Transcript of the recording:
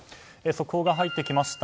速報が入ってきました。